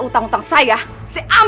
saya akan beli uang dari kamu